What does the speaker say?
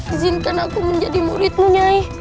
izinkan aku menjadi murid munyai